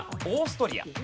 オーストリア？